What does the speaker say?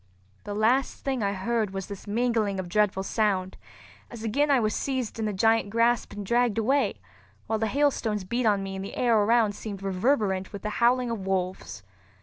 The last thing I heard was this mingling of dreadful sound, as again I was seized in the giant grasp and dragged away, while the hailstones beat on me and the air around seemed reverberant with the howling of wolves.